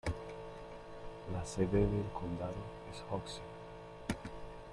La sede del condado es Hoxie.